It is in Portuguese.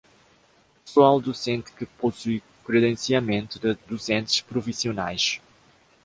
Pessoal docente que possui credenciamento de docentes profissionais.